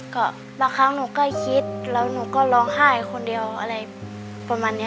ก็บางครั้งหนูใกล้ชิดแล้วหนูก็ร้องไห้คนเดียวอะไรประมาณนี้